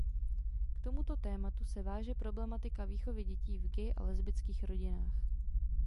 K tomuto tématu se váže problematika výchovy dětí v gay a lesbických rodinách.